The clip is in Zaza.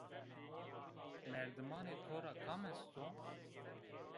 Merdimanê to ra kam est o?